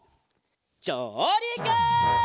じょうりく！